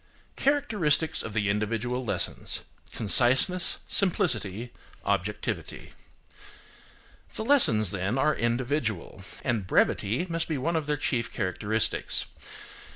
CHARACTERISTICS OF THE INDIVIDUAL LESSONS:– CONCISENESS, SIMPLICITY, OBJECTIVITY. The lessons, then, are individual, and brevity must be one of their chief characteristics.